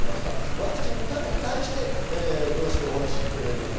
ワクチンに対して詳しくお話いただきました。